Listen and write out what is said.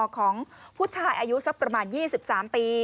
ของผู้ชายอายุสักประมาณ๒๓ปี